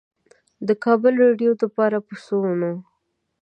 د کابل رېډيؤ دپاره پۀ سوونو